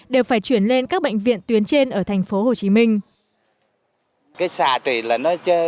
đều phải chuyển lên các bệnh viện tuyến trên ở thành phố hồ chí minh